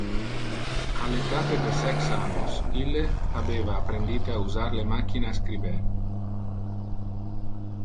Al etate de sex annos ille habeva apprendite a usar le machina a scriber.